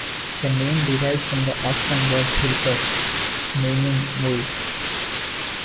The name derives from the Oscan word hirpus, meaning wolf.